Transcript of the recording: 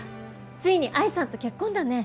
ついに愛さんと結婚だね。